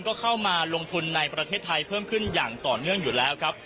ก็เข้ามาลงทุนในประเทศไทยเพิ่มขึ้นอย่างต่อเนื่องอยู่แล้วครับ